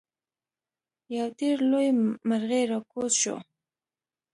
یو ډیر لوی مرغۍ راکوز شو.